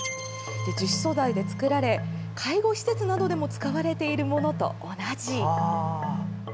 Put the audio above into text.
樹脂素材で作られ介護施設などでも使われているものと同じ。